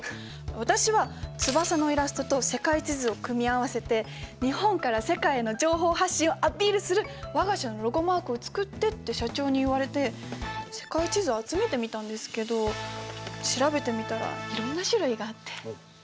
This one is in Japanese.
私は翼のイラストと世界地図を組み合わせて日本から世界への情報発信をアピールする我が社のロゴマークを作ってって社長に言われて世界地図を集めてみたんですけど調べてみたらいろんな種類があって。